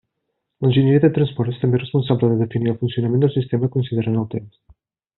L'enginyer de transport és també responsable de definir el funcionament del sistema considerant el temps.